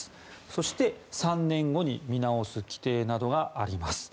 そして、３年後に見直す規定などがあります。